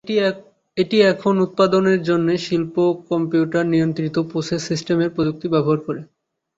এটি এখন উৎপাদনের জন্য শিল্প কম্পিউটার নিয়ন্ত্রিত প্রসেস/সিস্টেমের প্রযুক্তি ব্যবহার করে।